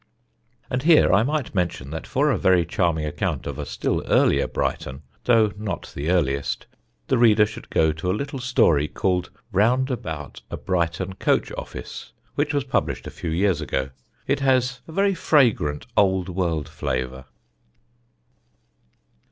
And here I might mention that for a very charming account of a still earlier Brighton, though not the earliest, the reader should go to a little story called Round About a Brighton Coach Office, which was published a few years ago. It has a very fragrant old world flavour.